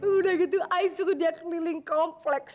udah gitu saya suruh dia keliling kompleks